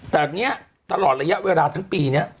แต่เนี่ยตลอดระยะเวลาทั้งปีนี้